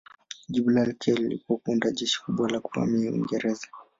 Jibu lake lilikuwa kuandaa jeshi kubwa la kuvamia Uingereza.